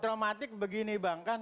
traumatik begini bang